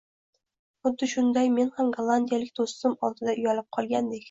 Xuddi shunday men ham gollandiyalik do‘stim oldida uyalib qolgandek.